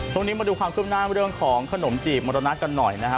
มาดูความขึ้นหน้าเรื่องของขนมจีบมรณะกันหน่อยนะฮะ